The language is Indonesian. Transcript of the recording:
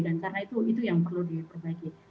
dan karena itu itu yang perlu diperbaiki